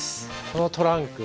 このトランク？